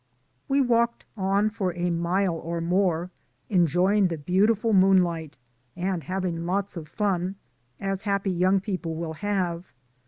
We walked on for a mile or more, enjoy ing the beautiful moonlight, and having lots of fun, as happy young people will have.